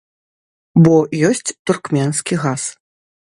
Бо ёсць туркменскі газ.